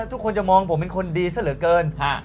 ทุกคนจะมองผมเป็นคนดีซะเหลือเกิน